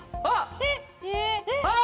あっ。